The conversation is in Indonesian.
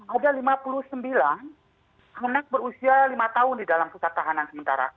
ada lima puluh sembilan anak berusia lima tahun di dalam pusat tahanan sementara